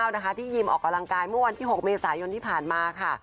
ที่ยิมออกกำลังกายเมื่อวันที่๖เมษายนที่ผ่านมาค่ะ